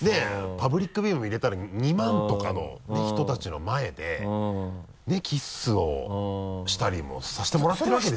パブリックビューイングも入れたら２万とかの人たちの前でキッスをしたりもさせてもらってるわけですよ。